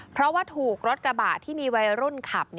เพราะว่าถูกรถกระบะที่มีวัยรุ่นขับ